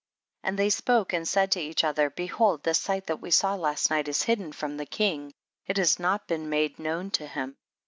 6. And they spoke and said to each other, behold the sight that we saw last night is liidden from the king, it has not been made known to him, 7.